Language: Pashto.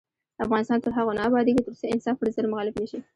افغانستان تر هغو نه ابادیږي، ترڅو انصاف پر ظلم غالب نشي.